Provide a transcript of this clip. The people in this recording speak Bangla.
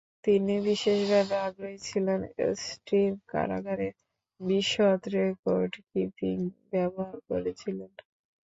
তিনি বিশেষভাবে আগ্রহী ছিলেন, স্টিভ কারাগারের বিশদ রেকর্ডকিপিং ব্যবহার করেছিলেন।